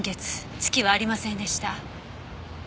月はありませんでした。